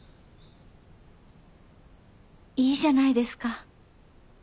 いいじゃないですか。